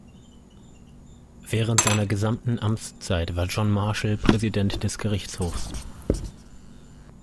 Während seiner gesamten Amtszeit war John Marshall Präsident des Gerichtshofs.